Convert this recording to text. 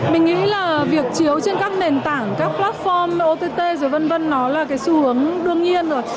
mình nghĩ là việc chiếu trên các nền tảng các platform ott rồi v v nó là cái xu hướng đương nhiên rồi